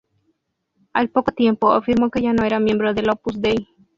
Al poco tiempo, afirmó que ya no era miembro del Opus Dei.